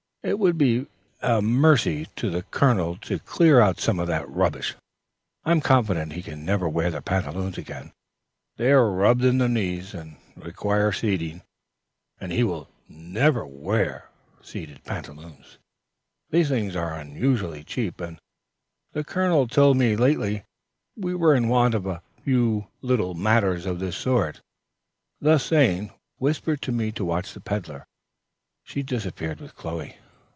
"It will be a mercy to the colonel to clear out some of that rubbish. I am confident he can never wear the pantaloons again; they are rubbed in the knees, and require seating, and he never will wear seated pantaloons. These things are unusually cheap, and the colonel told me lately we were in want of a few little matters of this sort." Thus saying, with a significant whisper to me to watch the peddler, she disappeared with Chloe.